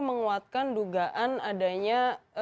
menguatkan dugaan adanya